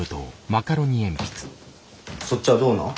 そっちはどうなん？